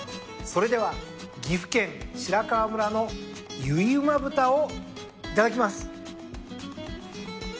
それでは岐阜県白川村の結旨豚をいただきます。